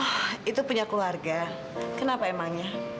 oh itu punya keluarga kenapa emangnya